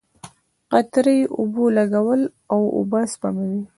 قطره یي اوبولګول اوبه سپموي.